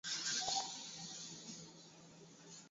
lakini wakati huo ambapo sudan kusini inataka kujitenga